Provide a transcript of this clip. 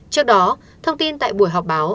trước đó thông tin tại buổi họp báo